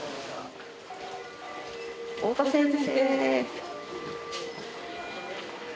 太田先生。